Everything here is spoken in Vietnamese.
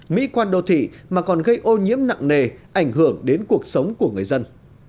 mỹ quan đô thị mà còn gây ô nhiễm nặng nề ảnh hưởng đến cuộc sống của người dân